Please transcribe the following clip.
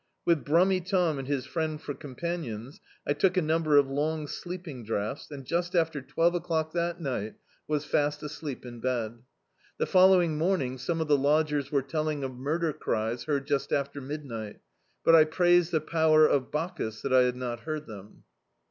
With "Brummy" Tom and his friend for companions, I took a number of long sleeping draughts, and just after twelve o'clock that D,i.,.db, Google The Farmhouse ni^t was fast asleep in bed. The following morn ing some of the lodgers were telling of murder cries heard just after midni^t, but I praised the power of Bacchus that I had not heard them.